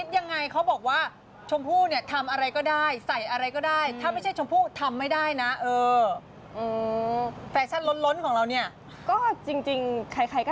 เออใช่เห็นไหมค่ะเธอยังทำอะไรก็ได้เลยนะฮะไม่นับนะคะอันนี้